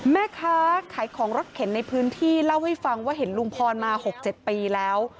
แม่ค้าขายของรถเข็นในพื้นที่เล่าให้ฟังว่าเห็นลุงพรมา๖๗ปีแล้ว